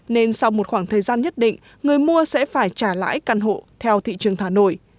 nên sau một khoảng thời gian nhất định người mua sẽ phải trả lãi căn hộ theo thị trường thà nội